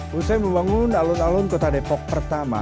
pusat membangun alun alun kota depok pertama